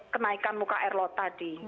kenaikan muka air laut tadi